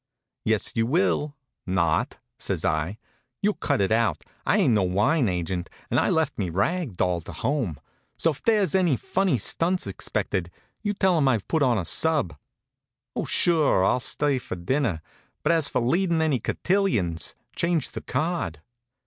"Yes, you will not," says I. "You'll cut it out. I ain't no wine agent, and I left me rag doll to home; so if there's any funny stunts expected, you tell 'em I've put on a sub. Oh, sure, I'll stay to dinner, but as for leadin' any cotillions, change the card."